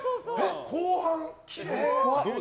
後半、きれい。